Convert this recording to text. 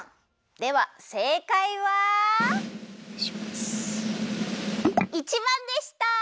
ではせいかいは１ばんでした！